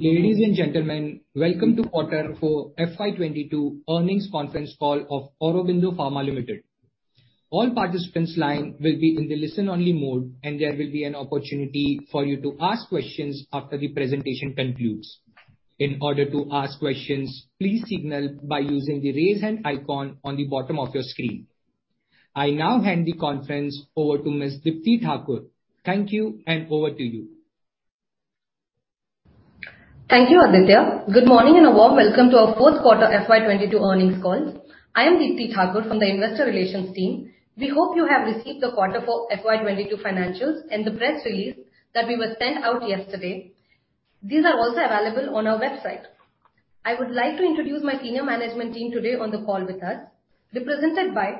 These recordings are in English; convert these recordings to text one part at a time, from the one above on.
Ladies and gentlemen, welcome to quarter four FY 2022 earnings conference call of Aurobindo Pharma Limited. All participants' lines will be in the listen-only mode, and there will be an opportunity for you to ask questions after the presentation concludes. In order to ask questions, please signal by using the Raise Hand icon on the bottom of your screen. I now hand the conference over to Ms. Deepti Thakur. Thank you and over to you. Thank you, Adithya. Good morning, and a warm welcome to our fourth quarter FY 2022 earnings call. I am Deepti Thakur from the Investor Relations team. We hope you have received the quarter for FY 2022 financials and the press release that we sent out yesterday. These are also available on our website. I would like to introduce my senior management team today on the call with us, represented by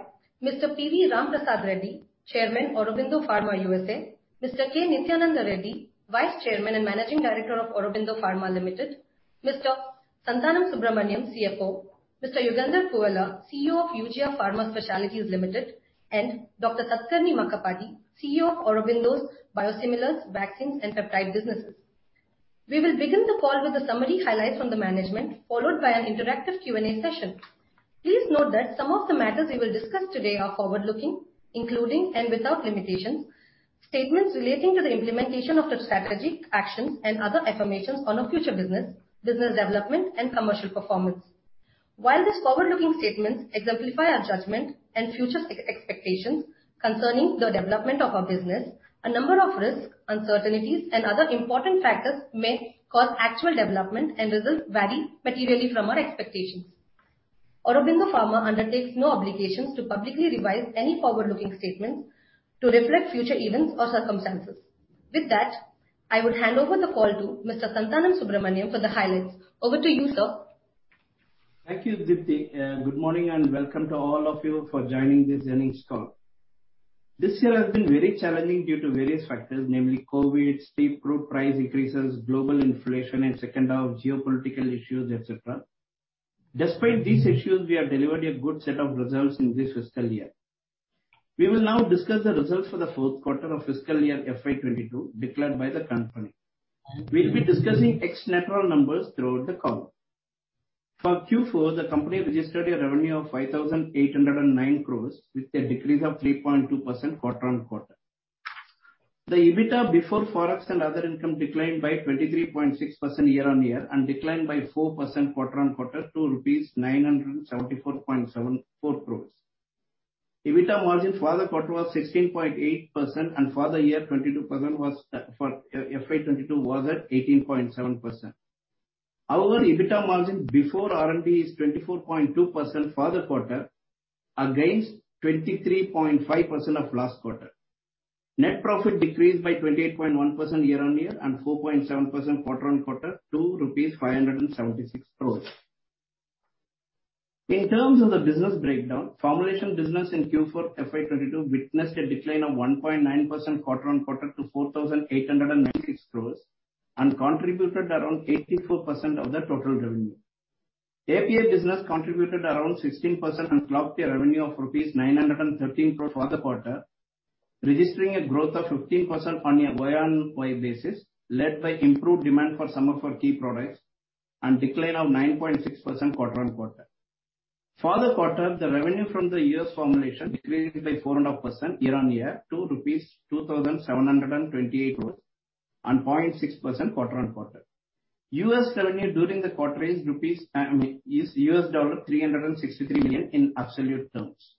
Mr. P.V. Ramprasad Reddy, Chairman, Aurobindo Pharma USA, Mr. K. Nityananda Reddy, Vice Chairman and Managing Director of Aurobindo Pharma Limited, Mr. Santhanam Subramanian, CFO, Mr. Yugandhar Puvvala, CEO of Eugia Pharma Specialities Limited, and Dr. Satakarni Makkapati, CEO of Aurobindo's Biosimilars, Vaccines and Peptide Businesses. We will begin the call with a summary highlight from the management, followed by an interactive Q&A session. Please note that some of the matters we will discuss today are forward-looking, including and without limitation, statements relating to the implementation of the strategy, actions and other affirmations on our future business development and commercial performance. While these forward-looking statements exemplify our judgment and future expectations concerning the development of our business, a number of risks, uncertainties and other important factors may cause actual development and results vary materially from our expectations. Aurobindo Pharma undertakes no obligations to publicly revise any forward-looking statements to reflect future events or circumstances. With that, I would hand over the call to Mr. Santhanam Subramanian for the highlights. Over to you, sir. Thank you, Deepti. Good morning and welcome to all of you for joining this earnings call. This year has been very challenging due to various factors, namely COVID, steep crude price increases, global inflation and secondly geopolitical issues, et cetera. Despite these issues, we have delivered a good set of results in this fiscal year. We will now discuss the results for the fourth quarter of fiscal year FY 2022 declared by the company. We'll be discussing numbers throughout the call. For Q4, the company registered a revenue of 5,809 crores with a decrease of 3.2% quarter-on-quarter. The EBITDA before Forex and other income declined by 23.6% year-on-year and declined by 4% quarter-on-quarter to rupees 974.74 crores. EBITDA margin for the quarter was 16.8%, and for the year, 22% for FY 2022 was at 18.7%. Our EBITDA margin before R&D is 24.2% for the quarter against 23.5% last quarter. Net profit decreased by 28.1% year-on-year and 4.7% quarter-on-quarter to rupees 576 crore. In terms of the business breakdown, formulation business in Q4 FY 2022 witnessed a decline of 1.9% quarter-on-quarter to 4,896 crore and contributed around 84% of the total revenue. API business contributed around 16% and clocked a revenue of rupees 913 crores for the quarter, registering a growth of 15% on a year-on-year basis, led by improved demand for some of our key products and decline of 9.6% quarter-on-quarter. For the quarter, the revenue from the U.S. formulation decreased by 4.5% year-on-year to INR 2,728 crores and 0.6% quarter-on-quarter. U.S. revenue during the quarter is, I mean, $363 million in absolute terms.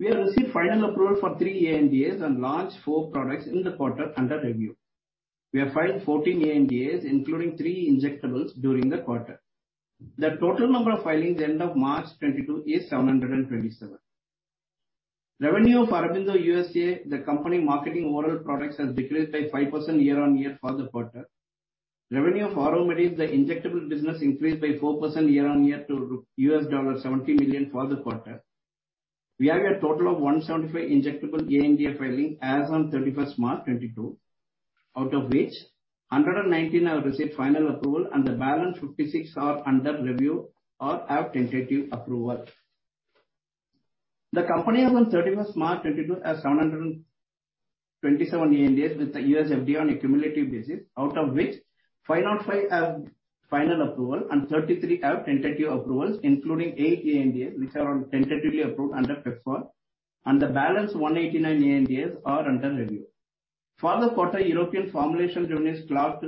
We have received final approval for three ANDAs and launched four products in the quarter under review. We have filed 14 ANDAs, including three injectables during the quarter. The total number of filings end of March 2022 is 727. Revenue for Aurobindo Pharma USA, the company marketing oral products, has decreased by 5% year-on-year for the quarter. Revenue for AuroMedics, the injectable business, increased by 4% year-on-year to $70 million for the quarter. We have a total of 175 injectable ANDA filings as on March 31st, 2022, out of which 119 have received final approval and the balance 56 are under review or have tentative approval. The company on March 31st, 2022 has 727 ANDAs with the U.S. FDA on a cumulative basis, out of which 505 have final approval and 33 have tentative approvals, including 8 ANDAs which are tentatively approved under PEPFAR, and the balance 189 ANDAs are under review. For the quarter, European formulation revenues clocked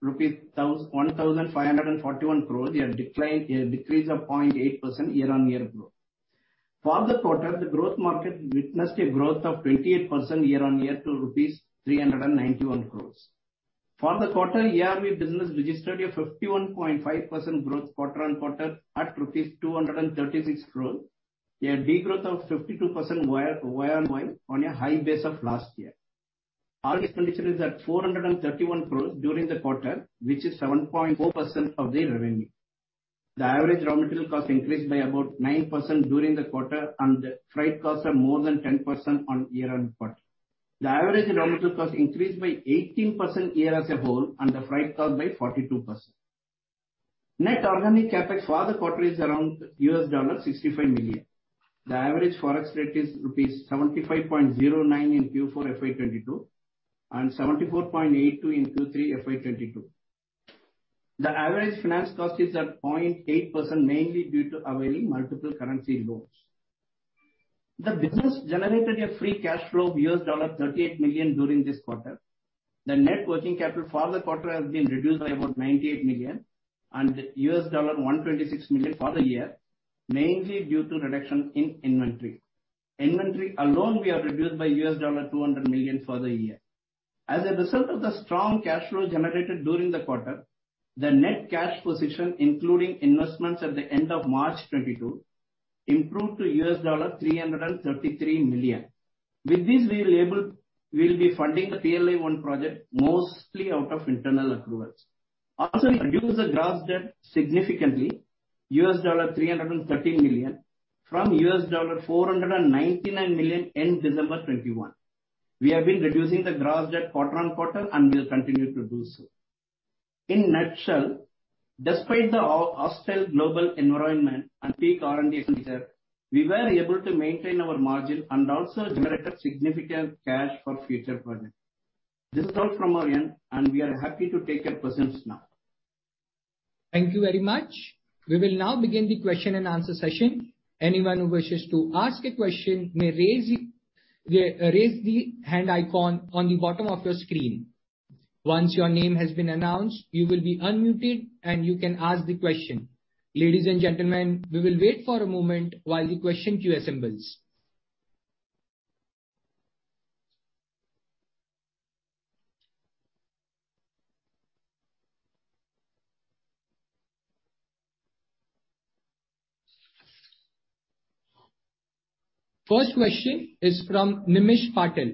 rupees 1,541 crores, a decline, decrease of 0.8% year-on-year growth. For the quarter, the growth market witnessed a growth of 28% year-on-year to rupees 391 crores. For the quarter, ARV business registered a 51.5% growth quarter-on-quarter at rupees 236 crores, a degrowth of 52% year-on-year on a high base of last year. R&D condition is at 431 crores during the quarter, which is 7.4% of the revenue. The average raw material cost increased by about 9% during the quarter and freight costs are more than 10% on year-on-quarter. The average raw material cost increased by 18% year as a whole and the freight cost by 42%. Net organic CapEx for the quarter is around $65 million. The average Forex rate is rupees 75.09 in Q4 FY22 and 74.82 in Q3 FY22. The average finance cost is at 0.8%, mainly due to availing multiple currency loans. The business generated a free cash flow of $38 million during this quarter. The net working capital for the quarter has been reduced by about $98 million and $126 million for the year, mainly due to reduction in inventory. Inventory alone, we have reduced by $200 million for the year. As a result of the strong cash flow generated during the quarter, the net cash position, including investments at the end of March 2022, improved to $333 million. With this we'll be funding the PLI one project mostly out of internal accruals. Also, we reduced the gross debt significantly, $330 million from $499 million end December 2021. We have been reducing the gross debt quarter-on-quarter and we'll continue to do so. In a nutshell, despite the hostile global environment and peak raw material, we were able to maintain our margin and also generate a significant cash for future projects. This is all from our end, and we are happy to take your questions now. Thank you very much. We will now begin the question-and-answer session. Anyone who wishes to ask a question may raise the hand icon on the bottom of your screen. Once your name has been announced, you will be unmuted and you can ask the question. Ladies and gentlemen, we will wait for a moment while the question queue assembles. First question is from Nimish Patel.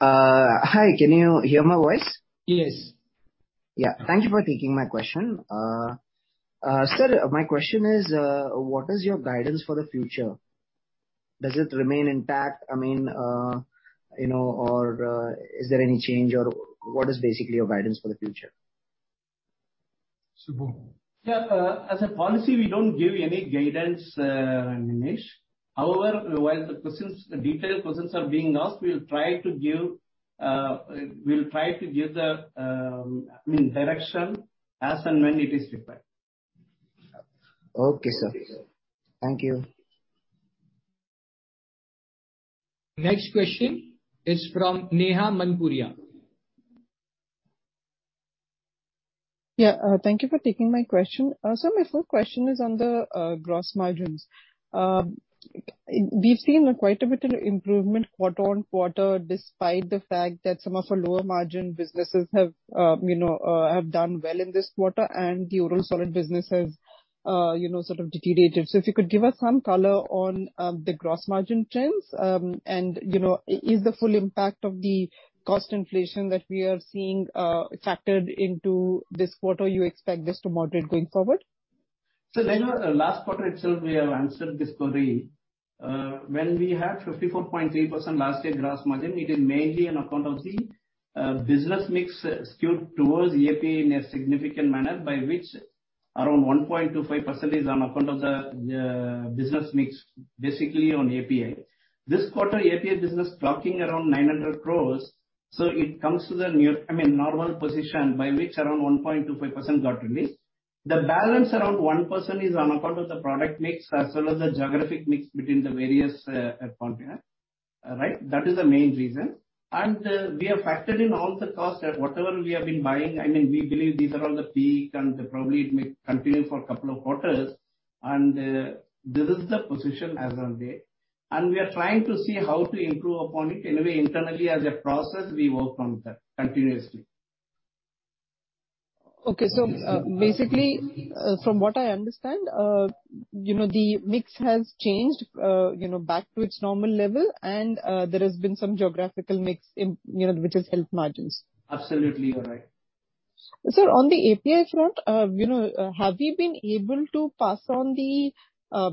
Hi. Can you hear my voice? Yes. Yeah. Thank you for taking my question. Sir, my question is, what is your guidance for the future? Does it remain intact? I mean, you know, or, is there any change or what is basically your guidance for the future? Yeah, as a policy, we don't give any guidance, Nimish Patel. However, while the questions, detailed questions are being asked, we'll try to give the, I mean, direction as and when it is required. Okay, sir. Thank you. Next question is from Neha Manpuria. Yeah, thank you for taking my question. Sir, my first question is on the gross margins. We've seen quite a bit of improvement quarter-on-quarter, despite the fact that some of our lower margin businesses have, you know, have done well in this quarter and the oral solid business has, you know, sort of deteriorated. If you could give us some color on the gross margin trends, and, you know, is the full impact of the cost inflation that we are seeing factored into this quarter, you expect this to moderate going forward? Neha, last quarter itself we have answered this query. When we had 54.3% last year gross margin, it is mainly on account of the business mix skewed towards API in a significant manner by which around 1.25% is on account of the business mix basically on API. This quarter API business clocking around 900 crores, so it comes to the I mean, normal position by which around 1.25% got released. The balance around 1% is on account of the product mix as well as the geographic mix between the various continents. Right? That is the main reason. We have factored in all the costs that whatever we have been buying. I mean, we believe these are on the peak and probably it may continue for a couple of quarters, and this is the position as of date, and we are trying to see how to improve upon it. Anyway, internally as a process, we work on that continuously. Okay. Basically, from what I understand, you know, the mix has changed, you know, back to its normal level and, there has been some geographical mix, you know, which has helped margins. Absolutely, you're right. Sir, on the API front, you know, have you been able to pass on the,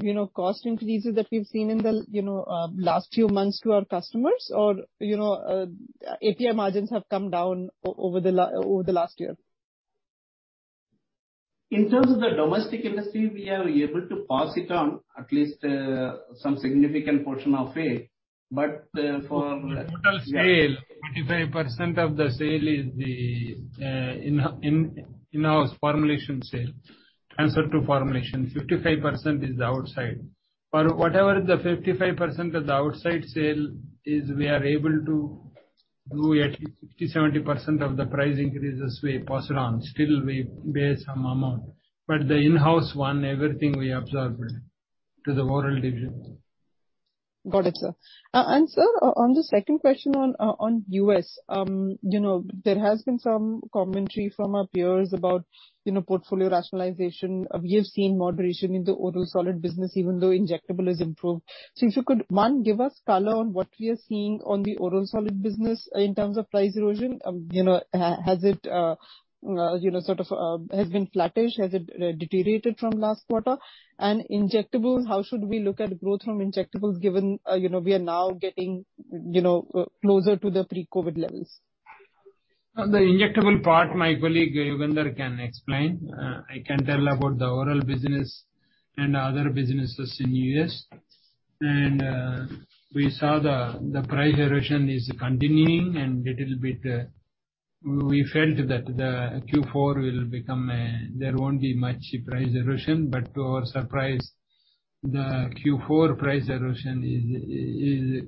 you know, cost increases that we've seen in the, you know, last few months to our customers? Or, you know, API margins have come down over the last year. In terms of the domestic industry, we are able to pass it on at least some significant portion of it. Total sale, 45% of the sale is the in-house formulation sale. Transfer to formulation. 55% is the outside. For whatever the 55% of the outside sale is, we are able to do at least 50%-70% of the price increases we pass it on. Still we bear some amount. The in-house one, everything we absorb it to the oral division. Got it, sir. Sir, on the second question on U.S., you know, there has been some commentary from our peers about, you know, portfolio rationalization. We have seen moderation in the oral solid business, even though injectable has improved. If you could, one, give us color on what we are seeing on the oral solid business in terms of price erosion. You know, has it, you know, sort of, has been flattish, has it deteriorated from last quarter? Injectables, how should we look at growth from injectables given, you know, we are now getting, you know, closer to the pre-COVID levels? The injectable part, my colleague, Yugandhar, can explain. I can tell about the oral business and other businesses in U.S. We saw the price erosion is continuing, and little bit, we felt there won't be much price erosion. To our surprise, the Q4 price erosion is.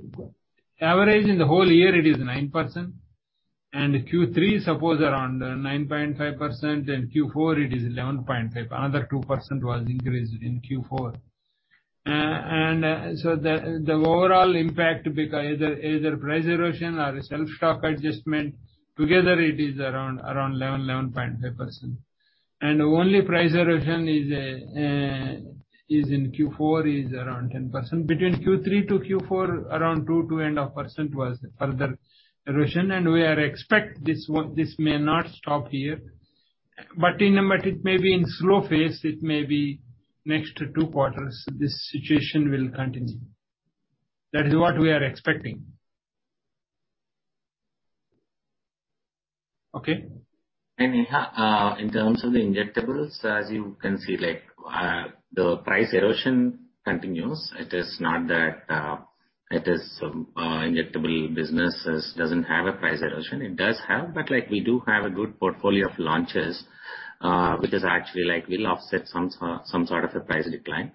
Average in the whole year it is 9%, and Q3 suppose around 9.5%, and Q4 it is 11.5%. Another 2% was increased in Q4. The overall impact, either price erosion or self-stock adjustment, together it is around 11.5%. Only price erosion is in Q4 is around 10%. Between Q3 to Q4, around 2.5% was further erosion. We are expect this one, this may not stop here, but in a matter it may be in slow phase, it may be next two quarters this situation will continue. That is what we are expecting. Okay. Neha, in terms of the injectables, as you can see, like, the price erosion continues. It is not that it is injectable businesses doesn't have a price erosion. It does have, but, like, we do have a good portfolio of launches, which is actually like will offset some some sort of a price decline.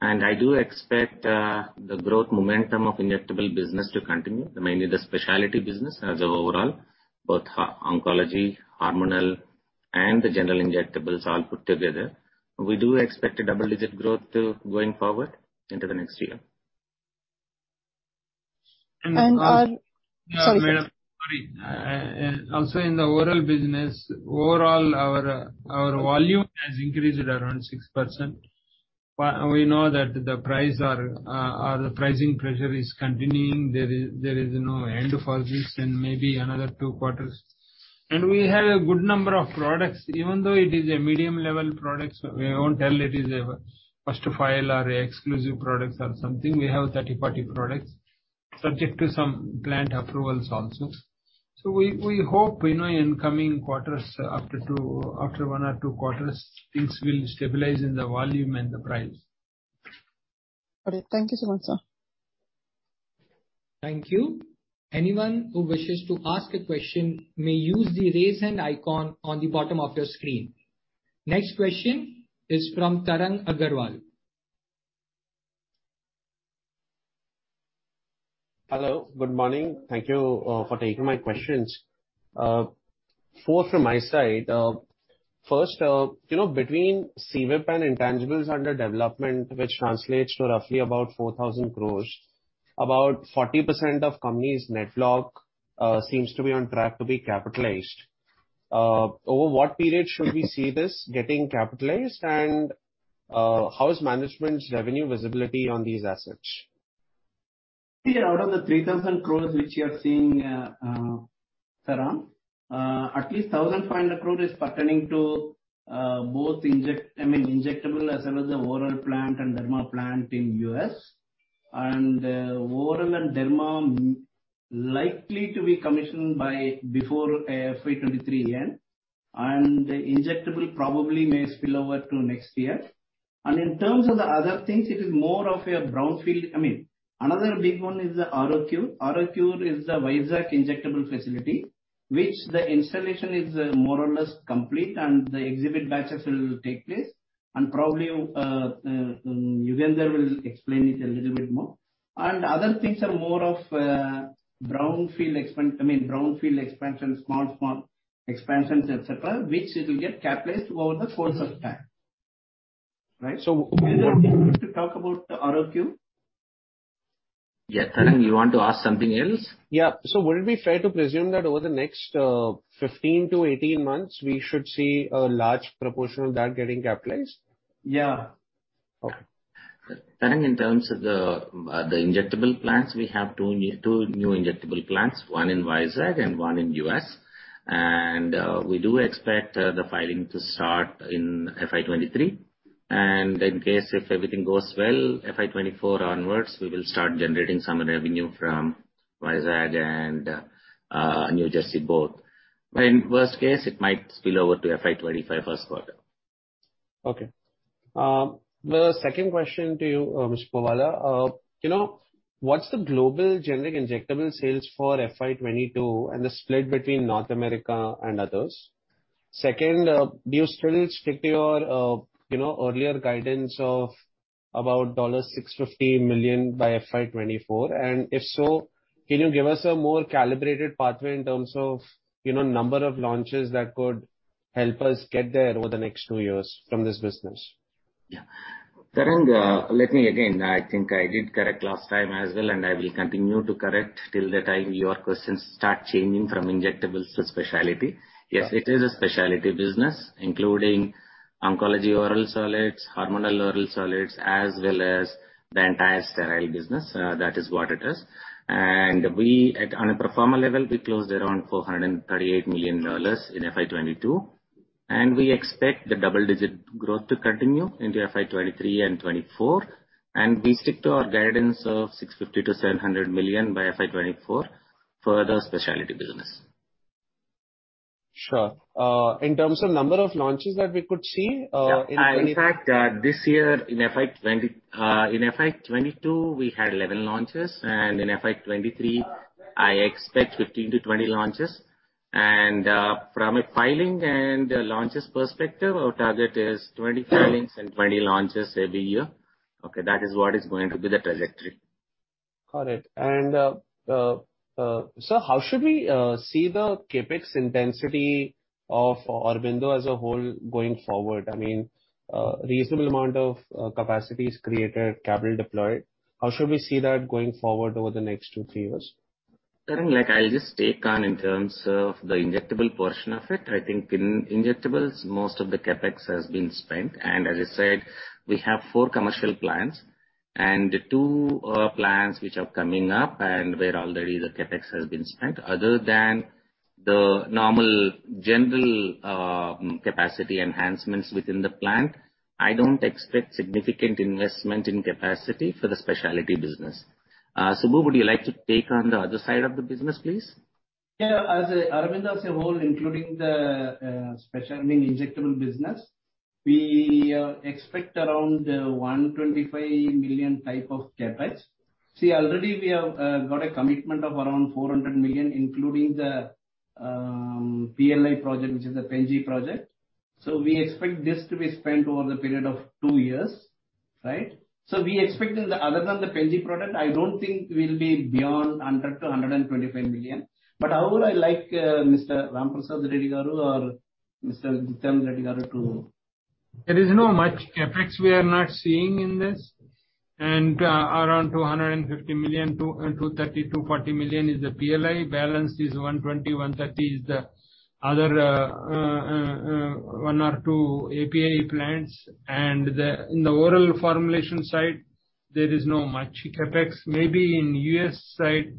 I do expect the growth momentum of injectable business to continue, mainly the specialty business as overall, both oncology, hormonal, and the general injectables all put together. We do expect a double-digit growth, going forward into the next year. And our- Yeah, madam. Sorry. Also in the oral business, overall our volume has increased around 6%. We know that the price or the pricing pressure is continuing. There is no end for this in maybe another two quarters. We have a good number of products. Even though it is medium level products, we won't tell it is first to file or exclusive products or something. We have third party products subject to some plant approvals also. We hope, you know, in coming quarters after one or two quarters, things will stabilize in the volume and the price. Correct. Thank you so much, sir. Thank you. Anyone who wishes to ask a question may use the Raise Hand icon on the bottom of your screen. Next question is from Tarang Agarwal. Hello, good morning. Thank you for taking my questions. Four from my side. First, you know, between CWIP and intangibles under development, which translates to roughly about 4,000 crores, about 40% of company's net block, seems to be on track to be capitalized. Over what period should we see this getting capitalized, and how is management's revenue visibility on these assets? Out of the 3,000 crore which you are seeing, Tarang, at least 1,500 crore is pertaining to both injectable as well as the oral plant and derma plant in the U.S. Oral and derma likely to be commissioned by before FY 2023 end, and the injectable probably may spill over to next year. In terms of the other things, it is more of a brownfield. I mean, another big one is the ROQ. ROQ is the Vizag injectable facility, which the installation is more or less complete, and the exhibit batches will take place. Probably, Yugandhar will explain it a little bit more. Other things are more of brownfield expansion, small expansions, et cetera, which it will get capitalized over the course of time. Right. Yugandhar, do you want to talk about the ROE? Yeah, Tarang, you want to ask something else? Yeah. Would it be fair to presume that over the next 15-18 months, we should see a large proportion of that getting capitalized? Yeah. Okay. Tarang, in terms of the injectable plants, we have two new injectable plants, one in Vizag and one in U.S. We do expect the filing to start in FY 2023. In case if everything goes well, FY 2024 onwards, we will start generating some revenue from Vizag and New Jersey both. In worst case, it might spill over to FY 2025 first quarter. Okay. The second question to you, Mr. Puvvala. You know, what's the global generic injectable sales for FY 2022 and the split between North America and others? Second, do you still stick to your, you know, earlier guidance of about $650 million by FY 2024? And if so, can you give us a more calibrated pathway in terms of, you know, number of launches that could help us get there over the next two years from this business? Yeah. Tarang, let me again, I think I did correct last time as well, and I will continue to correct till the time your questions start changing from injectables to specialty. Yes, it is a specialty business, including oncology oral solids, hormonal oral solids, as well as the entire sterile business. That is what it is. On a pro forma level, we closed around $438 million in FY 2022. We expect the double-digit growth to continue into FY 2023 and 2024. We stick to our guidance of $650 million-$700 million by FY 2024 for the specialty business. Sure. In terms of number of launches that we could see, Yeah. In fact, in FY 2022 we had 11 launches, and in FY 2023 I expect 15-20 launches. From a filing and launches perspective, our target is 20 filings and 20 launches every year. Okay. That is what is going to be the trajectory. Got it. How should we see the CapEx intensity of Aurobindo as a whole going forward? I mean, reasonable amount of capacity is created, capital deployed. How should we see that going forward over the next two to three years? Karan, like I'll just take on in terms of the injectable portion of it. I think in injectables most of the CapEx has been spent. As I said, we have four commercial plants and two plants which are coming up, and where already the CapEx has been spent. Other than the normal general capacity enhancements within the plant, I don't expect significant investment in capacity for the specialty business. Subbu, would you like to take on the other side of the business, please? Yeah. As Aurobindo as a whole, including the special, I mean, injectable business, we expect around 125 million type of CapEx. See, already we have got a commitment of around 400 million, including the PLI project, which is the Pen-G project. We expect this to be spent over the period of two years, right? Other than the Pen-G product, I don't think we'll be beyond 100 million-125 million. How will I like Mr. P.V. Ramprasad Reddy or Mr. K. Nityananda Reddy to- There is not much CapEx we are seeing in this. Around 250 million to 230 million-240 million is the PLI. Balance is 120 million-130 million is the other one or two API plants. In the oral formulation side, there is not much CapEx. Maybe in U.S. side,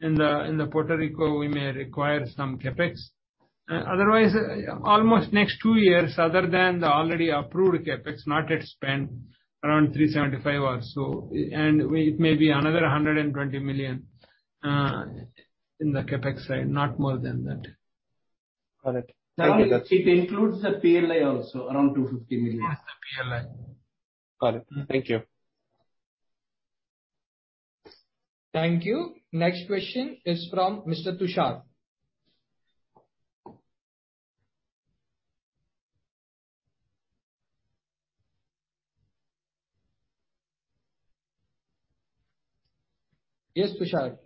in the Puerto Rico we may require some CapEx. Otherwise, almost next two years, other than the already approved CapEx not yet spent, around 375 million or so, and it may be another 120 million in the CapEx side, not more than that. Got it. Thank you, guys. It includes the PLI also, around 250 million. Yes, the PLI. Got it. Thank you. Thank you. Next question is from Mr. Tushar. Yes, Tushar.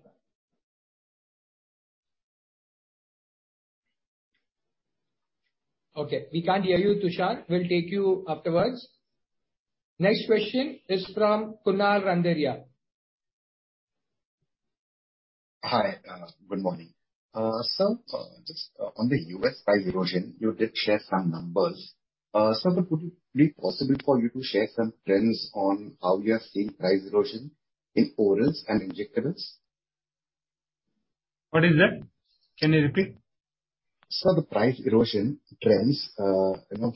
Okay, we can't hear you, Tushar. We'll take you afterwards. Next question is from Kunal Randeria. Hi. Good morning. Sir, just on the U.S. price erosion, you did share some numbers. Sir, would it be possible for you to share some trends on how you are seeing price erosion in orals and injectables? What is that? Can you repeat? Sir, the price erosion trends, you know,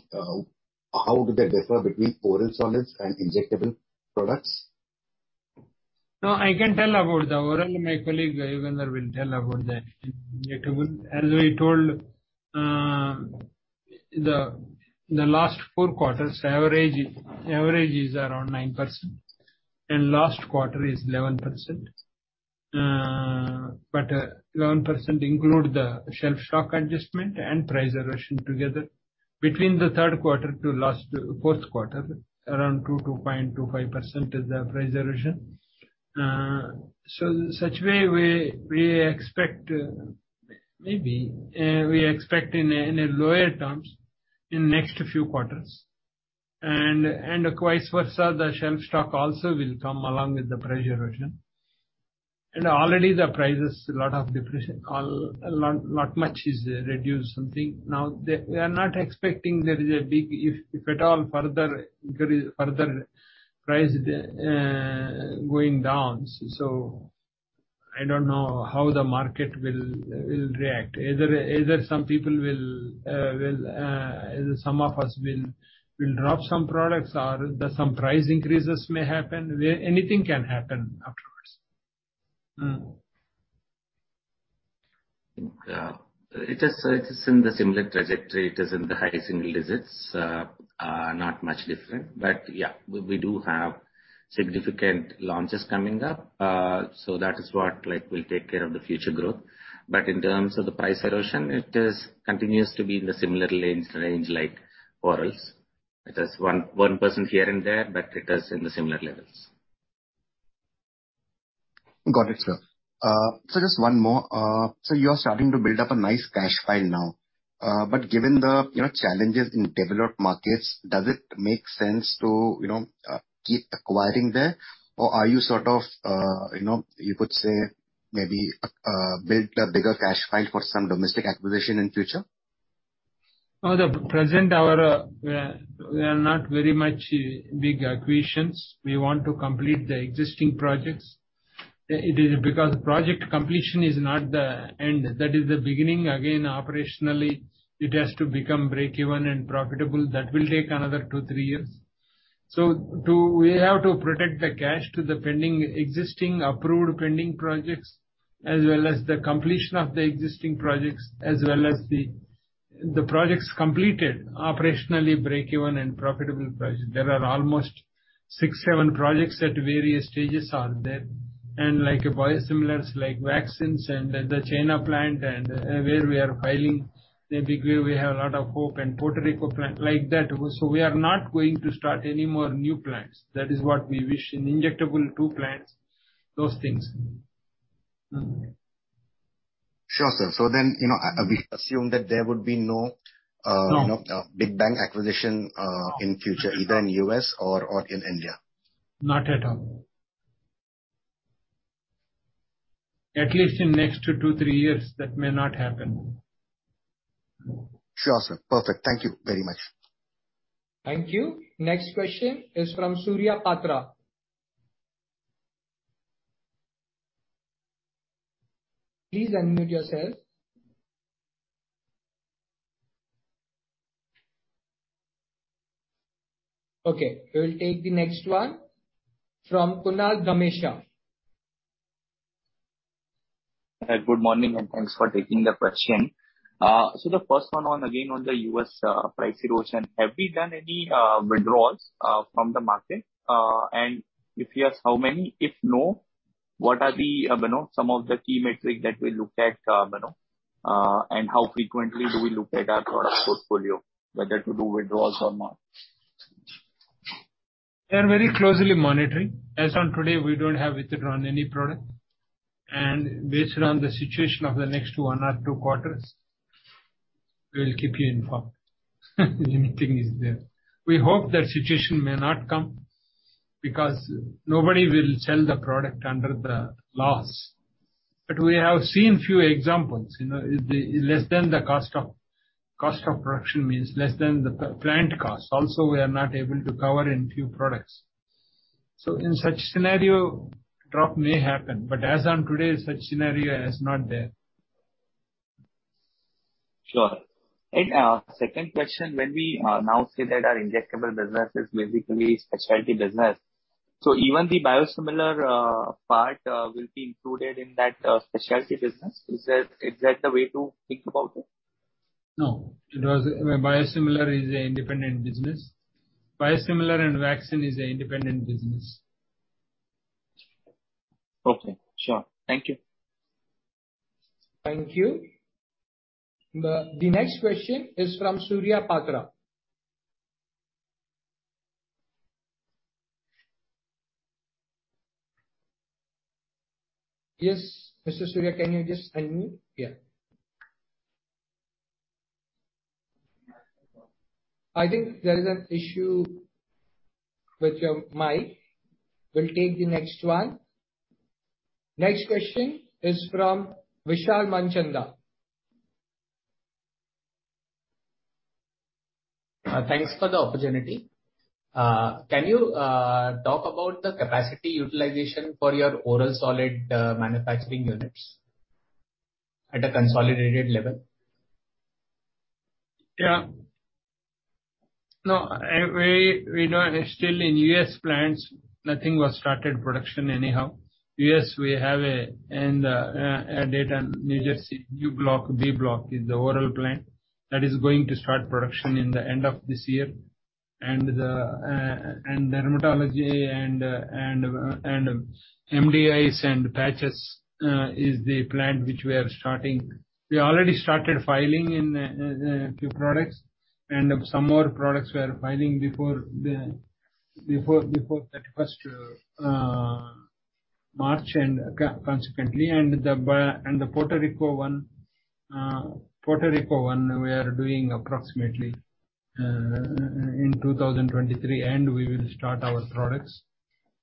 how do they differ between oral solids and injectable products? No, I can tell about the oral, my colleague, Yugandhar will tell about the injectable. As we told, the last four quarters average is around 9%, and last quarter is 11%. But 11% include the shelf stock adjustment and price erosion together. Between the third quarter to last fourth quarter, around 2%-2.5% is the price erosion. So such way we expect, maybe, we expect in a lower terms in next few quarters. Vice versa, the shelf stock also will come along with the price erosion. Already the prices, a lot of depression, all, a lot much is reduced something. Now we are not expecting there is a big if at all, further increase, further price going down. I don't know how the market will react. Either some of us will drop some products or then some price increases may happen, where anything can happen afterwards. Mm. Yeah. It is in the similar trajectory. It is in the high single digits. Not much different. Yeah, we do have significant launches coming up. So that is what, like, will take care of the future growth. In terms of the price erosion, it continues to be in the similar lane, range like orals. It is one person here and there, but it is in the similar levels. Got it, sir. Just one more. You're starting to build up a nice cash pile now. Given the, you know, challenges in developed markets, does it make sense to, you know, keep acquiring there? Are you sort of, you know, you could say maybe, build a bigger cash pile for some domestic acquisition in future? For the present, we are not very much big acquisitions. We want to complete the existing projects. It is because project completion is not the end. That is the beginning. Again, operationally, it has to become breakeven and profitable. That will take another two to three years. We have to protect the cash to the pending existing approved pending projects, as well as the completion of the existing projects, as well as the projects completed, operationally break-even and profitable projects. There are almost six to seven projects at various stages. Like biosimilars, like vaccines and the China plant and where we are filing in a big way, we have a lot of hope, and Puerto Rico plant, like that. We are not going to start any more new plants. That is what we wish. In injectable, two plants, those things. Sure, sir. You know, we assume that there would be no, No. No big bank acquisition in future, either in U.S. or in India. Not at all. At least in next two to three years, that may not happen. Sure, sir. Perfect. Thank you very much. Thank you. Next question is from Surya Patra. Please unmute yourself. Okay, we'll take the next one from Kunal Dhamesha. Hi, good morning, and thanks for taking the question. The first one, again on the U.S. price erosion. Have we done any withdrawals from the market? If yes, how many? If no, what are some of the key metrics that we look at, you know, and how frequently do we look at our product portfolio, whether to do withdrawals or not? We are very closely monitoring. As on today, we don't have withdrawn any product. Based on the situation of the next one or two quarters, we'll keep you informed. If anything is there. We hope that situation may not come because nobody will sell the product under the loss. We have seen few examples, you know, less than the cost of production, less than the plant cost. Also, we are not able to cover in few products. In such scenario, drop may happen. As on today, such scenario is not there. Sure. Second question, when we now say that our injectable business is basically specialty business, so even the biosimilar part will be included in that specialty business? Is that the way to think about it? No. Biosimilars is an independent business. Biosimilars and vaccines is an independent business. Okay, sure. Thank you. Thank you. The next question is from Surya Patra. Yes, Mr. Surya, can you just unmute? Yeah. I think there is an issue with your mic. We'll take the next one. Next question is from Vishal Manchanda. Thanks for the opportunity. Can you talk about the capacity utilization for your oral solid manufacturing units at a consolidated level? Yeah. No, we don't. Still in U.S. plants, no production was started anyhow. U.S., we have in the Dayton, New Jersey, U-block, B-block is the oral plant that is going to start production in the end of this year. The dermatology and MDIs and patches is the plant which we are starting. We already started filing a few products, and some more products we are filing before the March 31st, 2022 and consequently. The biologics and the Puerto Rico one we are doing approximately in 2023, and we will start our products.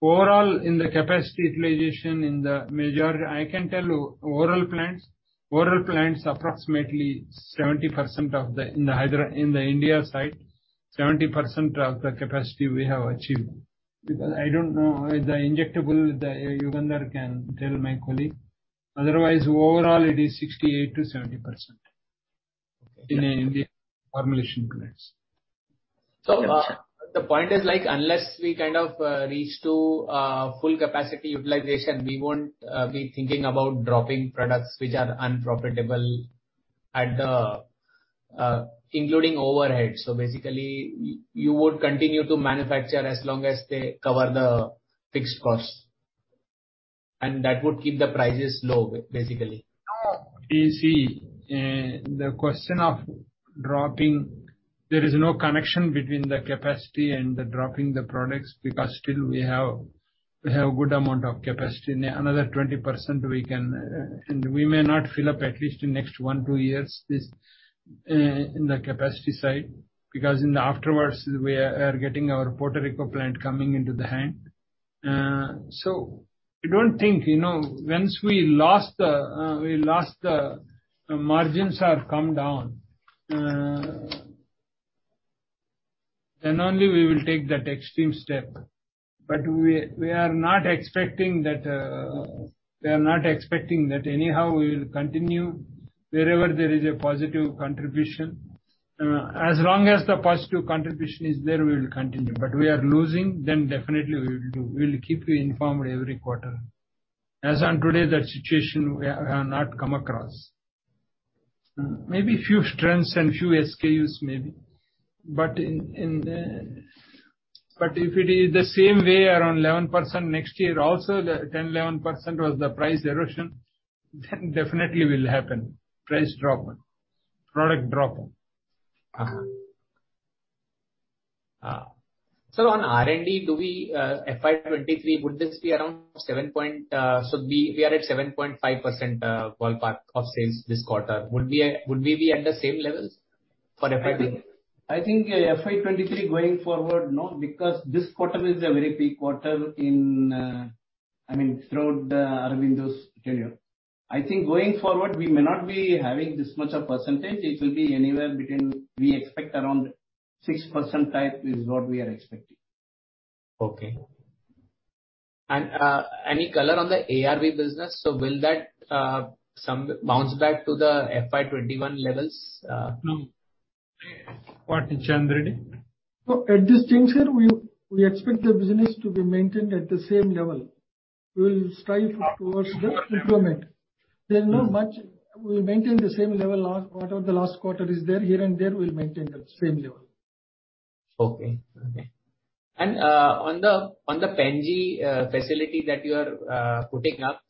Overall, in the capacity utilization in the majority, I can tell you oral plants. Oral plants, approximately 70% of the. In the Hyderabad, in the India side, 70% of the capacity we have achieved. Because I don't know the injectable, the Yugandhar can tell, my colleague. Otherwise, overall it is 68%-70%. Okay. in Indian formulation plants. Understood. The point is, like, unless we kind of reach to full capacity utilization, we won't be thinking about dropping products which are unprofitable at the, including overhead. Basically you would continue to manufacture as long as they cover the fixed costs, and that would keep the prices low basically. No. You see, the question of dropping, there is no connection between the capacity and dropping the products because still we have good amount of capacity. Another 20% we can. We may not fill up at least in next one, two years, this in the capacity side. Because afterwards, we are getting our Puerto Rico plant coming into the hand. So we don't think, you know, once we lost the. The margins are come down, then only we will take that extreme step. We are not expecting that. We are not expecting that. Anyhow, we will continue wherever there is a positive contribution. As long as the positive contribution is there, we will continue. If we are losing, then definitely we will do. We will keep you informed every quarter. As on today, that situation we have not come across. Maybe few strengths and few SKUs maybe. If it is the same way around 11% next year also, the 10%-11% was the price erosion, then definitely will happen. Price drop. Product drop. On R&D, FY 2023, would this be around 7%? We are at 7.5% ballpark of sales this quarter. Would we be at the same levels for FY 2023? I think FY 2023 going forward, no, because this quarter is a very peak quarter in, I mean, throughout Aurobindo's tenure. I think going forward, we may not be having this much a percentage. It will be anywhere between, we expect around 6% type is what we are expecting. Okay. Any color on the ARV business? Will that some bounce back to the FY21 levels? No. What, Reddy? No, at this stage here, we expect the business to be maintained at the same level. We will strive towards the improvement. We'll maintain the same level as whatever the last quarter is there, here and there, we'll maintain the same level. On the Pen-G facility that you are putting up,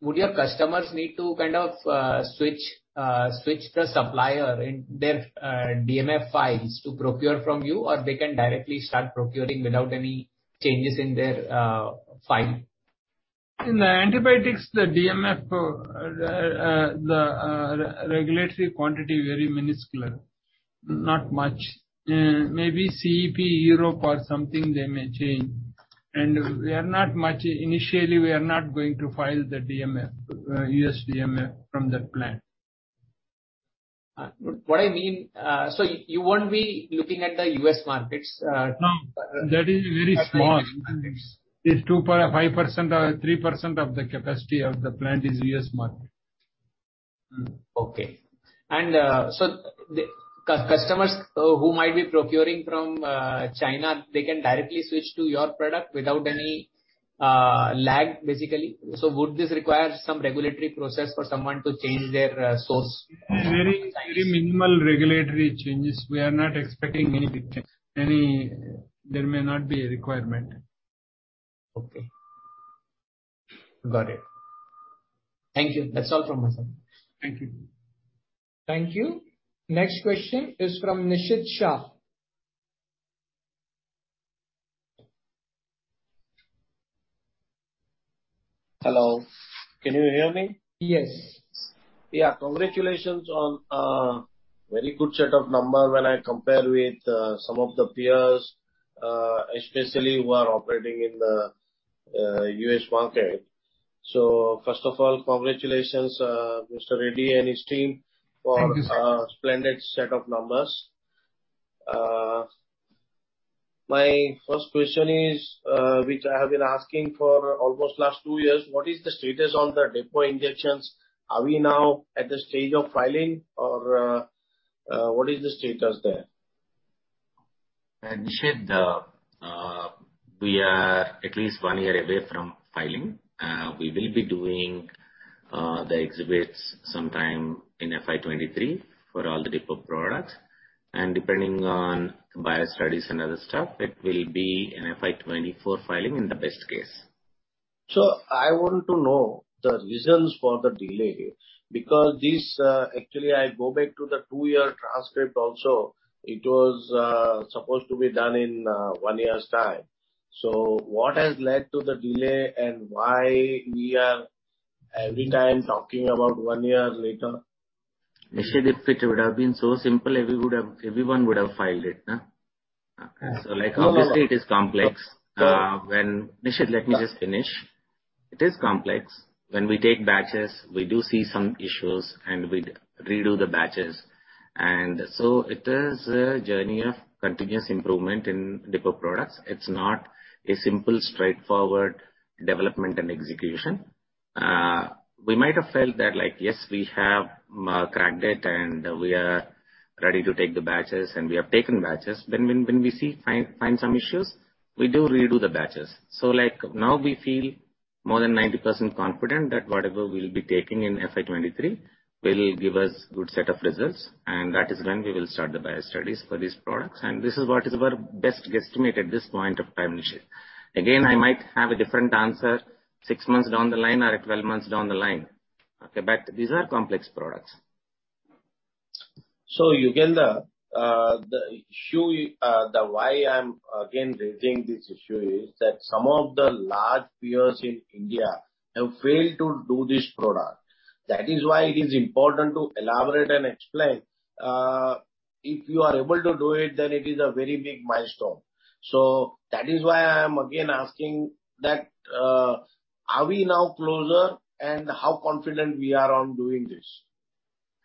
would your customers need to kind of switch the supplier in their DMF files to procure from you or they can directly start procuring without any changes in their file? In the antibiotics, the DMF, the regulatory quantity very minuscule, not much. Maybe CEP, Europe or something they may change. Initially, we are not going to file the DMF, U.S. DMF from that plant. What I mean, so you won't be looking at the U.S. markets. No. That is very small. Okay. It's 5% or 3% of the capacity of the plant is U.S. market. Okay. The customers who might be procuring from China, they can directly switch to your product without any lag, basically? Would this require some regulatory process for someone to change their source? Very, very minimal regulatory changes. We are not expecting any big change. There may not be a requirement. Okay. Got it. Thank you. That's all from my side. Thank you. Thank you. Next question is from Nishid Shah. Hello. Can you hear me? Yes. Yeah. Congratulations on a very good set of number when I compare with some of the peers, especially who are operating in the U.S. market. First of all, congratulations, Mr. Reddy and his team. Thank you, sir. for a splendid set of numbers. My first question is, which I have been asking for almost last two years, what is the status on the depot injections? Are we now at the stage of filing or, what is the status there? Nishid, we are at least one year away from filing. We will be doing the exhibits sometime in FY 2023 for all the depot products. Depending on bio-studies and other stuff, it will be an FY 2024 filing in the best case. I want to know the reasons for the delay, because this, actually, I go back to the two-year transcript also. It was supposed to be done in one year's time. What has led to the delay, and why we are every time talking about one year later? Nishid, if it would have been so simple, everyone would have filed it. No, no. Obviously it is complex. Sir. Nishid, let me just finish. It is complex. When we take batches, we do see some issues, and we redo the batches. It is a journey of continuous improvement in depot products. It's not a simple straightforward development and execution. We might have felt that like, yes, we have, cracked it and we are ready to take the batches, and we have taken batches. When we see find some issues, we do redo the batches. Like now we feel more than 90% confident that whatever we'll be taking in FY 2023 will give us good set of results, and that is when we will start the bio-studies for these products. This is what is our best guesstimate at this point of time, Nishid. Again, I might have a different answer 6 months down the line or at 12 months down the line. Okay. These are complex products. Yugandhar, the issue. The why I'm again raising this issue is that some of the large peers in India have failed to do this product. That is why it is important to elaborate and explain. If you are able to do it, then it is a very big milestone. That is why I am again asking that, are we now closer, and how confident we are on doing this?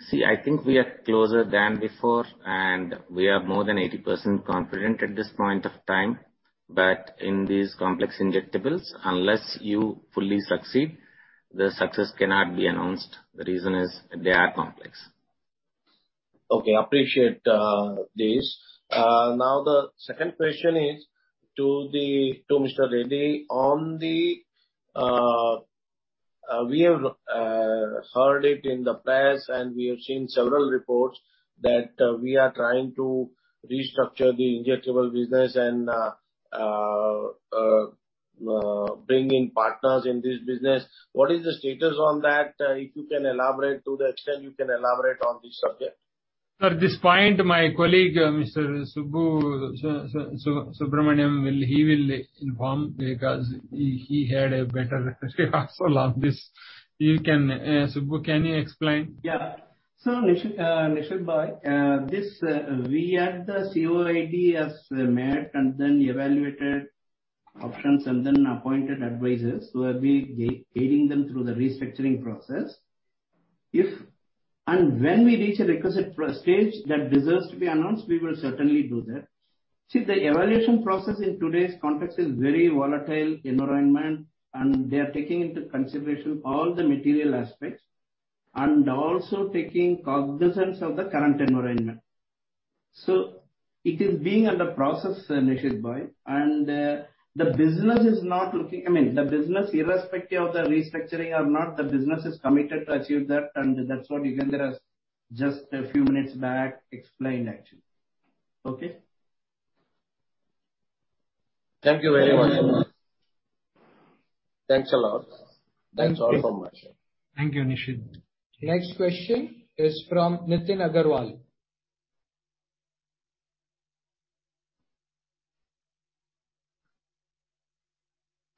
See, I think we are closer than before, and we are more than 80% confident at this point of time. In these complex injectables, unless you fully succeed, the success cannot be announced. The reason is they are complex. Okay. Appreciate this. Now the second question is to Mr. Reddy on the we have heard it in the press, and we have seen several reports that we are trying to restructure the injectable business and bring in partners in this business. What is the status on that? If you can elaborate to the extent you can elaborate on this subject. At this point, my colleague, Mr. Subbu Subramanian will inform because he had a better grasp of this. You can, Subbu, can you explain? Yeah. Nishid bhai, this we at the Board have met and then evaluated options and then appointed advisors who have been guiding them through the restructuring process. If and when we reach a requisite stage that deserves to be announced, we will certainly do that. See, the evaluation process in today's context is a very volatile environment, and they are taking into consideration all the material aspects and also taking cognizance of the current environment. It is under process, Nishid bhai, and the business is not looking. I mean, the business irrespective of the restructuring or not, the business is committed to achieve that. That's what Yugandhar has just a few minutes back explained actually. Okay? Thank you very much. Thanks a lot. Thanks all so much. Thank you, Nishid. Next question is from Nitin Agarwal.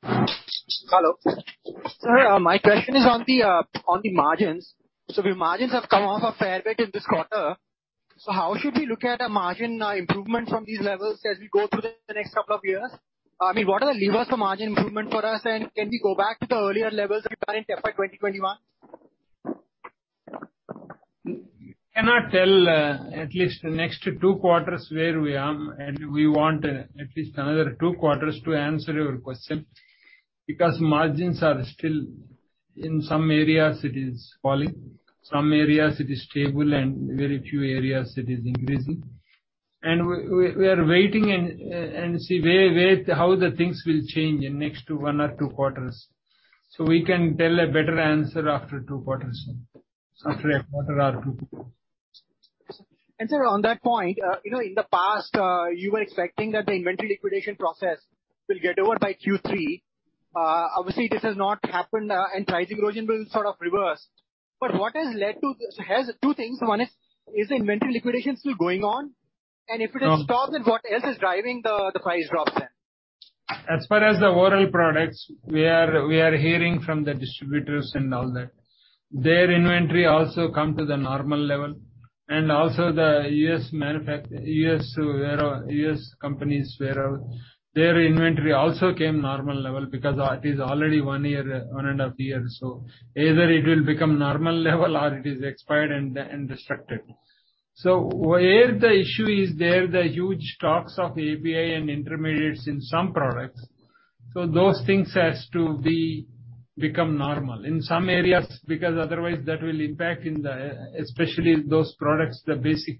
Hello. Sir, my question is on the margins. Your margins have come off a fair bit in this quarter. How should we look at a margin improvement from these levels as we go through the next couple of years? I mean, what are the levers for margin improvement for us? Can we go back to the earlier levels we were in FY 2021? Cannot tell at least the next two quarters where we are, and we want at least another two quarters to answer your question because margins are still in some areas it is falling, some areas it is stable, and very few areas it is increasing. We are waiting to see where, how the things will change in next one or two quarters. We can tell a better answer after two quarters, after a quarter or two. Sir, on that point, you know, in the past, you were expecting that the inventory liquidation process will get over by Q3. Obviously this has not happened, and price erosion will sort of reverse. Here's two things. One is inventory liquidation still going on? If it has stopped, then what else is driving the price drops then? As far as the oral products, we are hearing from the distributors and all that. Their inventory also come to the normal level and also the U.S. companies where their inventory also came normal level because it is already 1 year, one and a half years. Either it will become normal level or it is expired and destroyed. Where the issue is there, the huge stocks of API and intermediates in some products, so those things has to be become normal in some areas, because otherwise that will impact in the, especially those products, the basic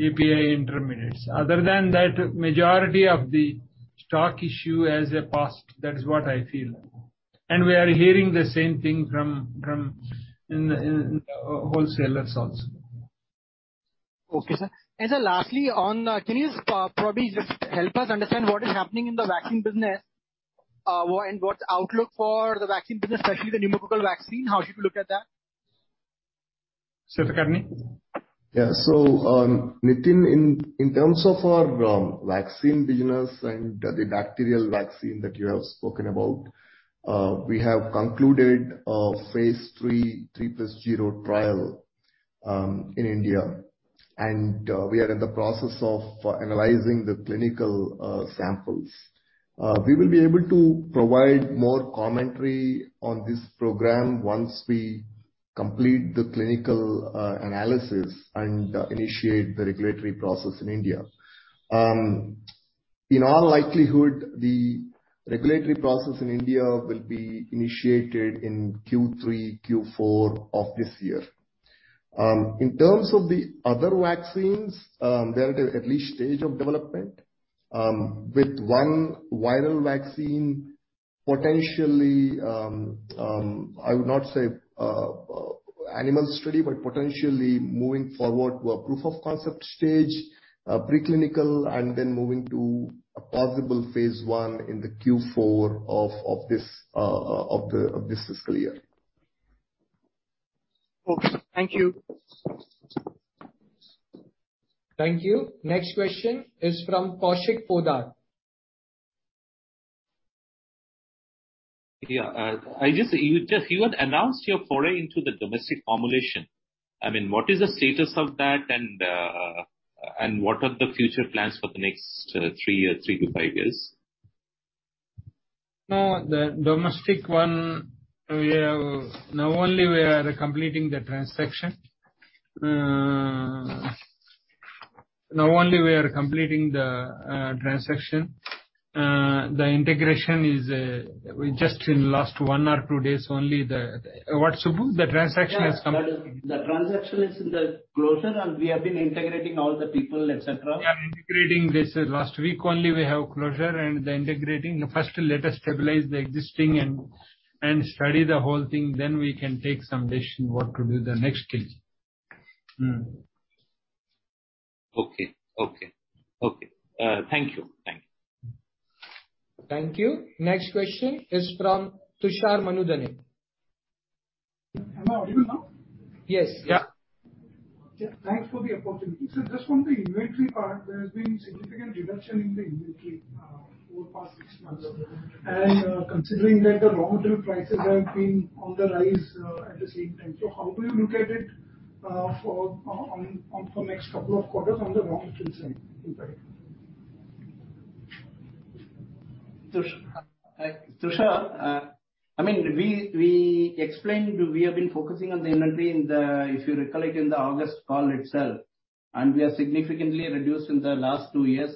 API intermediates. Other than that, majority of the stock issue is a past. That is what I feel. We are hearing the same thing from in the wholesalers also. Okay, sir. Sir, lastly on, can you probably just help us understand what is happening in the vaccine business, and what's the outlook for the vaccine business, especially the pneumococcal vaccine? How should we look at that? Satakarni. Nitin, in terms of our vaccine business and the bacterial vaccine that you have spoken about, we have concluded a phase 3+0 trial in India. We are in the process of analyzing the clinical samples. We will be able to provide more commentary on this program once we complete the clinical analysis and initiate the regulatory process in India. In all likelihood, the regulatory process in India will be initiated in Q3, Q4 of this year. In terms of the other vaccines, they're at early stage of development, with one viral vaccine potentially moving forward to a proof of concept stage, preclinical and then moving to a possible phase I in the Q4 of this fiscal year. Okay. Thank you. Thank you. Next question is from Kaushik Poddar. Yeah. You had announced your foray into the domestic formulation. I mean, what is the status of that and what are the future plans for the next three years, three to five years? No, the domestic one we have now only we are completing the transaction. The integration is, we just in last one or two days only the. What, Subbu? The transaction has come. Yeah. The transaction is in the closure, and we have been integrating all the people, et cetera. Yeah, integrating this last week only we have closure and the integrating. First let us stabilize the existing and study the whole thing, then we can take some decision what to do the next thing. Okay. Thank you. Thank you. Next question is from Tushar Manudhane. Am I audible now? Yes. Yeah. Yeah, thanks for the opportunity. Just from the inventory part, there has been significant reduction in the inventory over the past six months. Considering that the raw material prices have been on the rise at the same time. How do you look at it for next couple of quarters on the raw material side in particular? Tushar, I mean, we explained we have been focusing on the inventory if you recall it in the August call itself, we have significantly reduced in the last two years.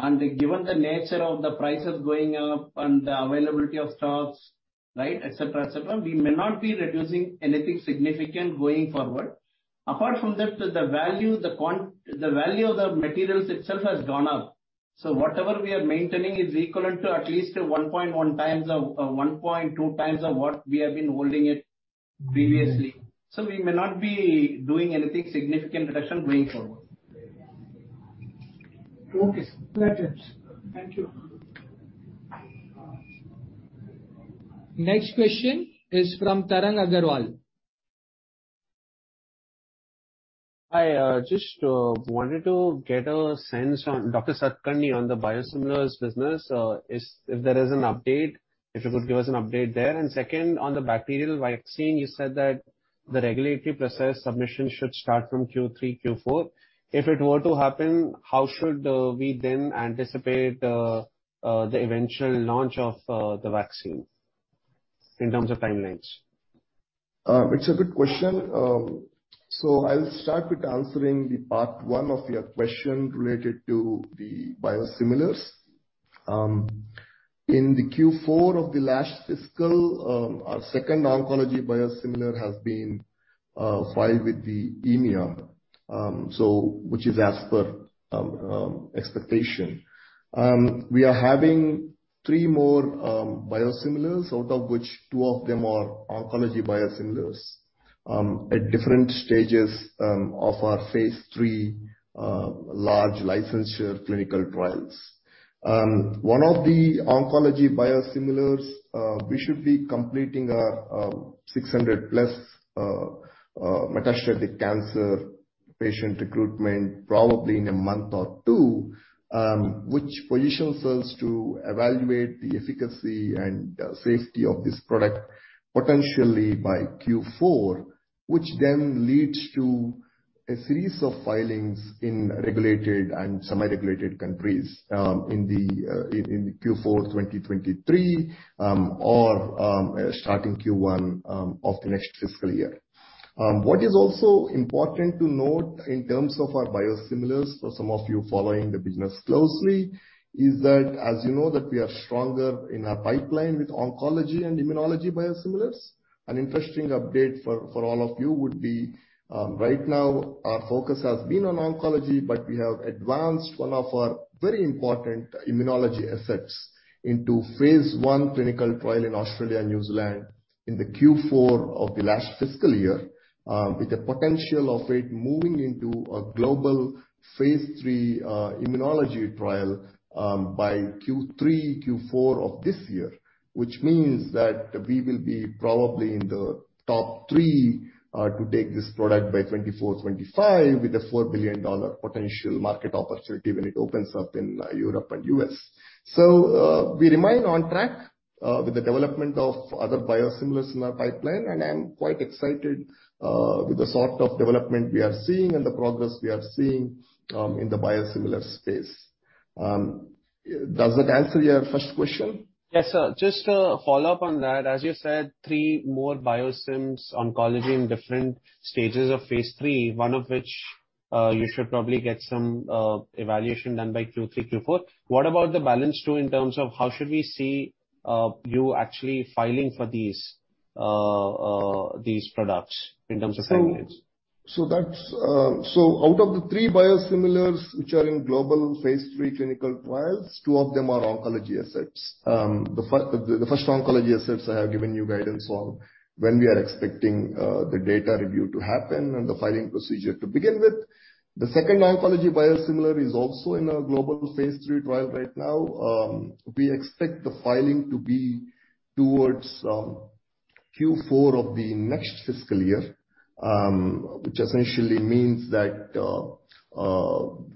Given the nature of the prices going up and the availability of stocks, right, et cetera, et cetera, we may not be reducing anything significant going forward. Apart from that, the value of the materials itself has gone up. Whatever we are maintaining is equivalent to at least 1.1x or 1.2x of what we have been holding it previously. We may not be doing anything significant reduction going forward. Okay, sir. That helps. Thank you. Next question is from Tarang Agarwal. I just wanted to get a sense on Dr. Satakarni on the biosimilars business. If there is an update, if you could give us an update there. Second, on the bacterial vaccine, you said that the regulatory process submission should start from Q3, Q4. If it were to happen, how should we then anticipate the eventual launch of the vaccine in terms of timelines? It's a good question. I'll start with answering the part one of your question related to the biosimilars. In the Q4 of the last fiscal, our second oncology biosimilar has been filed with the EMA, which is as per expectation. We are having three more biosimilars, out of which two of them are oncology biosimilars at different stages of our phase III large licensure clinical trials. One of the oncology biosimilars, we should be completing 600+ metastatic cancer patient recruitment probably in a month or two, which positions us to evaluate the efficacy and safety of this product potentially by Q4, which then leads to a series of filings in regulated and semi-regulated countries in Q4 2023 or starting Q1 of the next fiscal year. What is also important to note in terms of our biosimilars, for some of you following the business closely, is that as you know that we are stronger in our pipeline with oncology and immunology biosimilars. An interesting update for all of you would be right now our focus has been on oncology, but we have advanced one of our very important immunology assets into phase I clinical trial in Australia and New Zealand in the Q4 of the last fiscal year with the potential of it moving into a global phase III immunology trial by Q3, Q4 of this year. Which means that we will be probably in the top three to take this product by 2024, 2025 with a $4 billion potential market opportunity when it opens up in Europe and U.S. We remain on track with the development of other biosimilars in our pipeline, and I am quite excited with the sort of development we are seeing and the progress we are seeing in the biosimilars space. Does that answer your first question? Yes, sir. Just to follow up on that, as you said, three more biosims oncology in different stages of phase III, one of which, you should probably get some evaluation done by Q3, Q4. What about the balance two in terms of how should we see, you actually filing for these these products in terms of timelines? That's out of the three biosimilars which are in global phase III clinical trials, two of them are oncology assets. The first oncology assets I have given you guidance on when we are expecting the data review to happen and the filing procedure to begin with. The second oncology biosimilar is also in a global phase III trial right now. We expect the filing to be towards Q4 of the next fiscal year, which essentially means that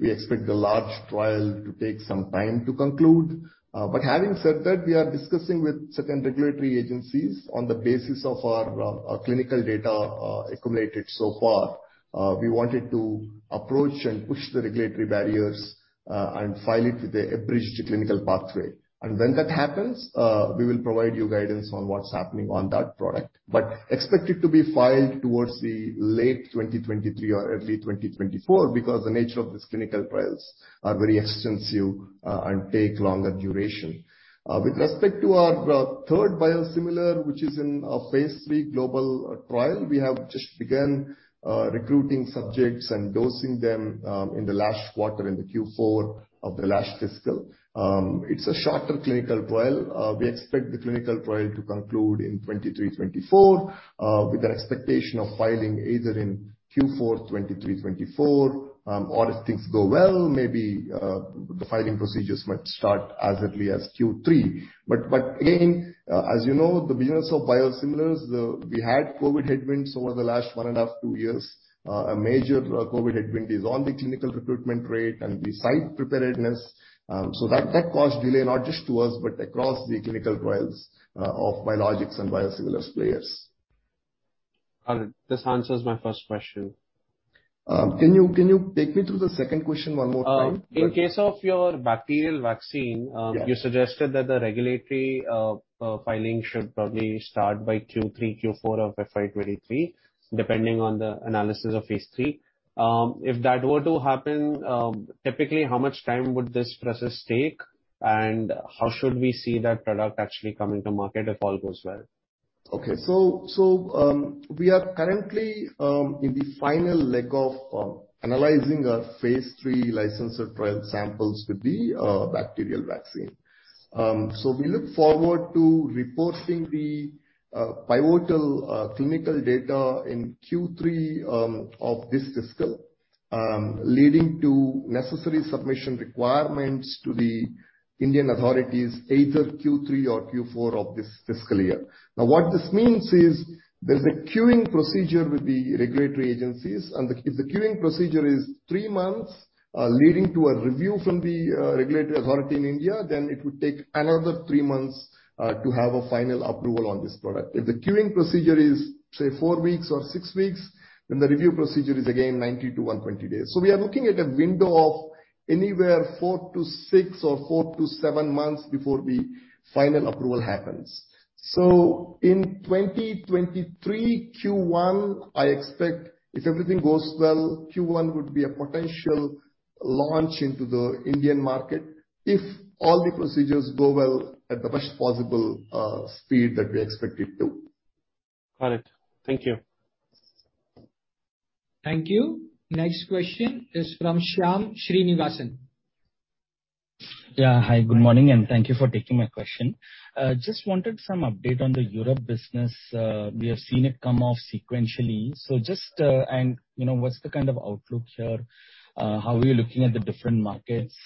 we expect the large trial to take some time to conclude. But having said that, we are discussing with certain regulatory agencies on the basis of our clinical data accumulated so far. We wanted to approach and push the regulatory barriers and file it with a bridged clinical pathway. When that happens, we will provide you guidance on what's happening on that product. Expect it to be filed towards the late 2023 or early 2024, because the nature of these clinical trials are very extensive, and take longer duration. With respect to our third biosimilar, which is in phase III global trial, we have just begun recruiting subjects and dosing them in the last quarter, in the Q4 of the last fiscal. It's a shorter clinical trial. We expect the clinical trial to conclude in 2023-2024, with an expectation of filing either in Q4 2023-2024, or if things go well, maybe the filing procedures might start as early as Q3. Again, as you know, the business of biosimilars. We had COVID headwinds over the last one and half to two years. A major COVID headwind is on the clinical recruitment rate and the site preparedness, so that caused delay, not just to us, but across the clinical trials of biologics and biosimilars players. Got it. This answers my first question. Can you take me through the second question one more time? In case of your bacterial vaccine. Yeah. You suggested that the regulatory filing should probably start by Q3, Q4 of FY 2023, depending on the analysis of phase III. If that were to happen, typically, how much time would this process take, and how should we see that product actually coming to market if all goes well? We are currently in the final leg of analyzing our phase III licensure trial samples with the bacterial vaccine. We look forward to reporting the pivotal clinical data in Q3 of this fiscal leading to necessary submission requirements to the Indian authorities either Q3 or Q4 of this fiscal year. Now, what this means is, there's a queuing procedure with the regulatory agencies, and if the queuing procedure is three months leading to a review from the regulatory authority in India, then it would take another three months to have a final approval on this product. If the queuing procedure is, say, four weeks or six weeks, then the review procedure is again 90-120 days. We are looking at a window of anywhere four to six or four to seven months before the final approval happens. In 2023, Q1, I expect if everything goes well, Q1 would be a potential launch into the Indian market, if all the procedures go well at the best possible speed that we expect it to. Got it. Thank you. Thank you. Next question is from Shyam Srinivasan. Yeah. Hi, good morning, and thank you for taking my question. Just wanted some update on the Europe business. We have seen it come off sequentially. You know, what's the kind of outlook here? How are you looking at the different markets,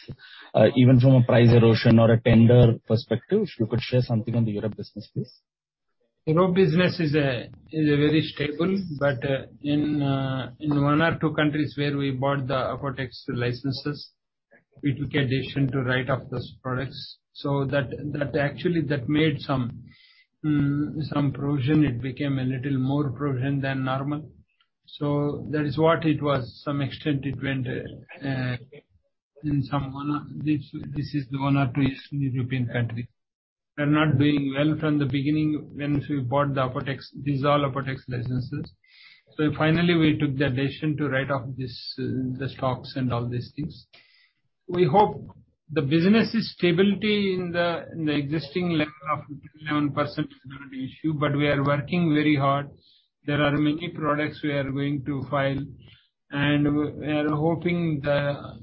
even from a price erosion or a tender perspective? If you could share something on the Europe business, please. Europe business is very stable. In one or two countries where we bought the Apotex licenses, we took a decision to write off those products. That actually made some provision. It became a little more provision than normal. That is what it was. Some extent it went in some one or two Eastern European country. This is the one or two Eastern European country. They're not doing well from the beginning when we bought the Apotex. These are all Apotex licenses. Finally we took the decision to write off this, the stocks and all these things. We hope the business' stability in the existing level of 10%-11% is not an issue, but we are working very hard. There are many products we are going to file, and we are hoping the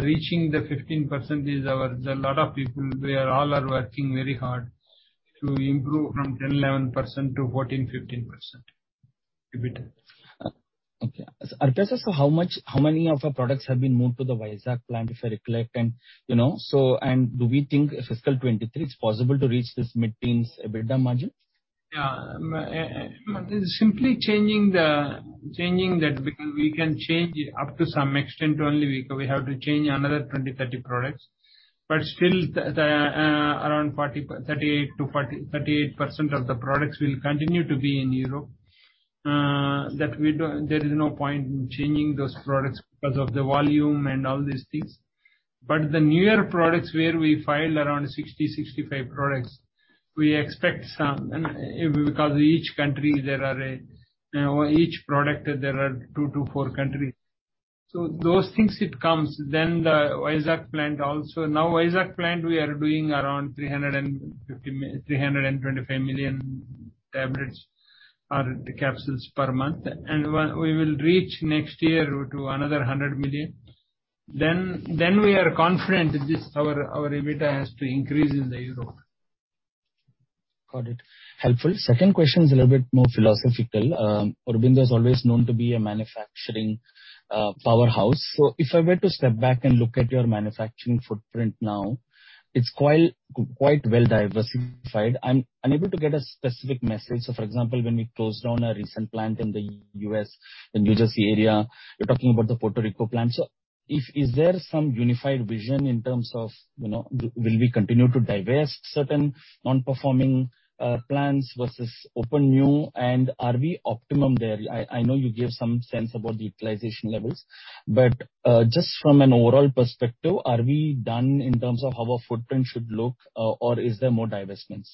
reaching the 15% is our. A lot of people, we are all working very hard to improve from 10%-11% to 14%-15% EBITDA. How many of our products have been moved to the Vizag plant, if I recollect? You know, do we think fiscal 2023, it's possible to reach this mid-teens EBITDA margin? Yeah. Simply changing that, we can change it up to some extent only. We have to change another 20, 30 products. Still the around 38% of the products will continue to be in Europe. That we don't. There is no point in changing those products because of the volume and all these things. The newer products where we filed around 65 products, we expect some. Because each product there are two to four countries. So those things it comes. The Vizag plant also. Now Vizag plant we are doing around 325 million tablets or the capsules per month. When we will reach next year to another 100 million, then we are confident this, our EBITDA has to increase in Europe. Got it. Helpful. Second question is a little bit more philosophical. Aurobindo is always known to be a manufacturing powerhouse. If I were to step back and look at your manufacturing footprint now, it's quite well diversified. I'm unable to get a specific message. For example, when we closed down a recent plant in the U.S., the New Jersey area, you're talking about the Puerto Rico plant. If there is some unified vision in terms of, you know, will we continue to divest certain non-performing plants versus open new, and are we optimum there? I know you gave some sense about the utilization levels, but just from an overall perspective, are we done in terms of how our footprint should look, or is there more divestments?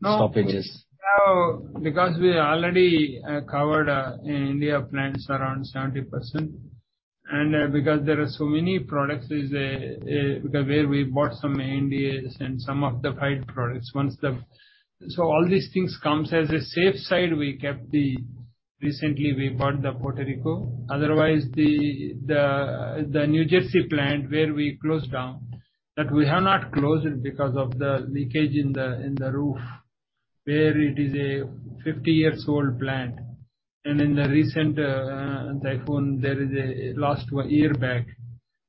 No. Stoppages. No, because we already covered India plants around 70%, and because there are so many products where we bought some ANDAs and some of the five products. All these things come as a safe side we kept. Recently we bought the Puerto Rico. Otherwise the New Jersey plant where we closed down, that we have not closed it because of the leakage in the roof, where it is a 50-year-old plant. In the recent typhoon that was 1 year back.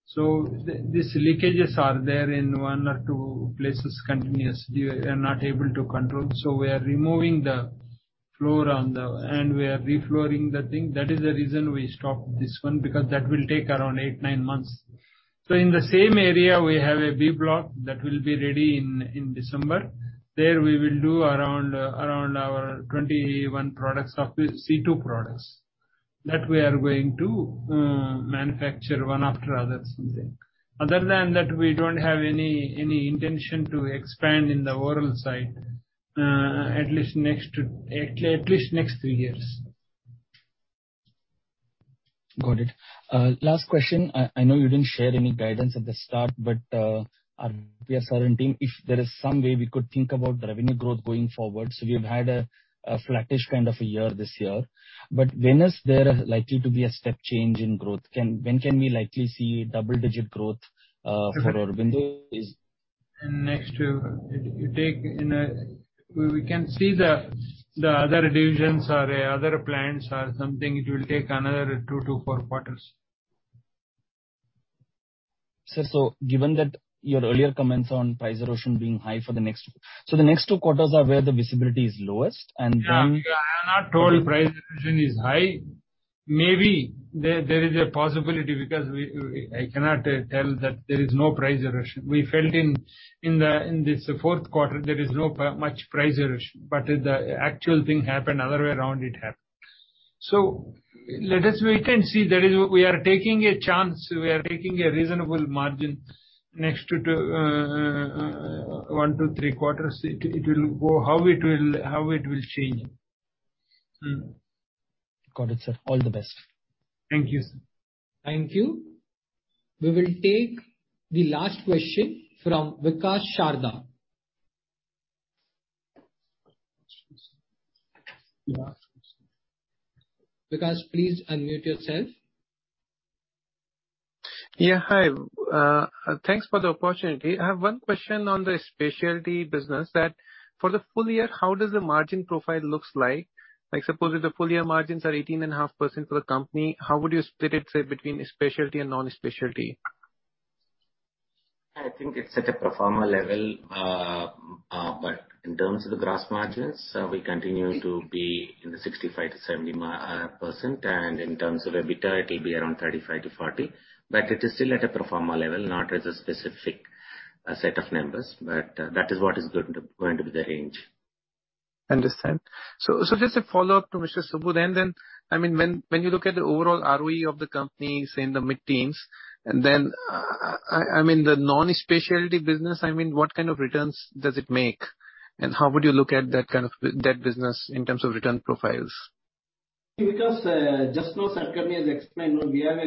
These leakages are there in one or two places continuously. We are not able to control. We are removing the floor on. We are reflooring the thing. That is the reason we stopped this one, because that will take around 8-9 months. In the same area we have a B block that will be ready in December. There we will do around 21 products of the CDMO products that we are going to manufacture one after other, Sudin. Other than that, we don't have any intention to expand in the oral side, at least next three years. Got it. Last question. I know you didn't share any guidance at the start, but are we certain if there is some way we could think about the revenue growth going forward? We have had a flattish kind of a year this year, but when is there likely to be a step change in growth? When can we likely see double-digit growth? Okay. for Aurobindo’s In next two. It take, you know. We can see the other divisions or other plants or something, it will take another two to four quarters. Sir, given that your earlier comments on price erosion being high, the next two quarters are where the visibility is lowest, and then- Yeah. I have not told price erosion is high. Maybe there is a possibility. I cannot tell that there is no price erosion. We felt that in this fourth quarter there is not much price erosion, but the actual thing happened the other way around. It happened. Let us wait and see. We are taking a chance. We are taking a reasonable margin next to one to three quarters. It will go how it will change. Got it, sir. All the best. Thank you, sir. Thank you. We will take the last question from Vikas Sharda. Vikas, please unmute yourself. Yeah. Hi. Thanks for the opportunity. I have one question on the specialty business that for the full year, how does the margin profile looks like? Like suppose if the full year margins are 18.5% for the company, how would you split it, say, between specialty and non-specialty? I think it's at a pro forma level. In terms of the gross margins, we continue to be in the 65%-70%, and in terms of EBITDA, it'll be around 35%-40%. It is still at a pro forma level, not as a specific set of numbers. That is what is going to be the range. Understand. Just a follow-up to Mr. Subbu then, I mean, when you look at the overall ROE of the companies in the mid-teens, and then, I mean, the non-specialty business, what kind of returns does it make, and how would you look at that kind of that business in terms of return profiles? Vikas, just now Satakarni has explained. We have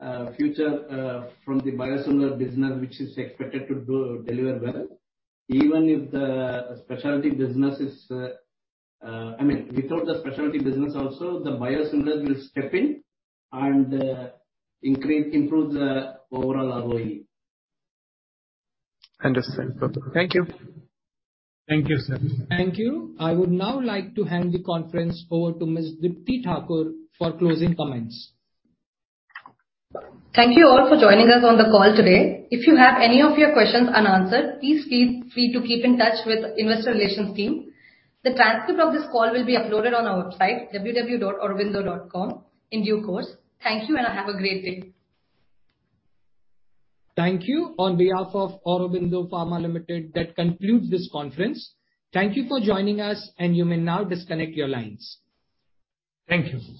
a great future from the biosimilar business which is expected to deliver well. Even if the specialty business is, I mean, without the specialty business also, the biosimilar will step in and improve the overall ROE. Understood. Thank you. Thank you, sir. Thank you. I would now like to hand the conference over to Ms. Deepti Thakur for closing comments. Thank you all for joining us on the call today. If you have any of your questions unanswered, please feel free to keep in touch with investor relations team. The transcript of this call will be uploaded on our website, www.aurobindo.com, in due course. Thank you, and have a great day. Thank you. On behalf of Aurobindo Pharma Limited, that concludes this conference. Thank you for joining us, and you may now disconnect your lines. Thank you.